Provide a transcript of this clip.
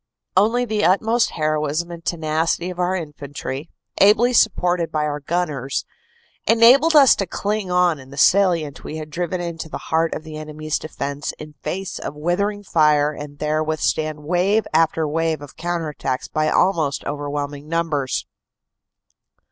Only the utmost heroism and tenacity of our infantry, ably supported by our CANADA S HUNDRED DAYS gunners, enabled us to cling on in the salient we had driven into the heart of the enemy s defense in face of withering fire and there withstand wave after wave of counter attacks by almost overwhelming numbers.